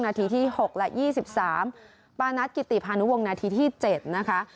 นาทีที่๖และ๒๓ปานัทกิติพานุวงนาทีที่๗นะคะ